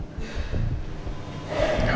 kita akan mencari